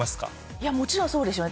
いや、もちろんそうでしょうね。